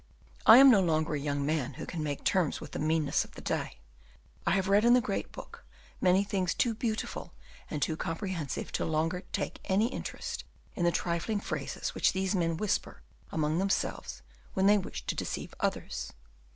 I am no longer a young man who can make terms with the meanness of the day. I have read in the Great Book many things too beautiful and too comprehensive to longer take any interest in the trifling phrases which these men whisper among themselves when they wish to deceive others.